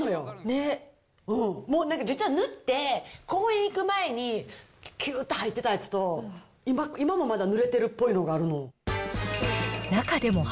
もうなんか実は塗って、公園行く前に、きゅーっと入ってたやつと、今もまだぬれてるっぽいのがあるもん。